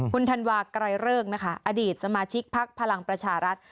ครูถันวากรายเริ่มนะคะอดีตสมาชิกภักดิ์พลังประชารัฐ